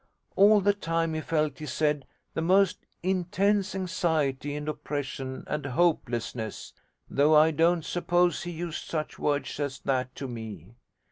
All the time he felt, he said, the most intense anxiety and oppression and hopelessness (though I don't suppose he used such words as that to me).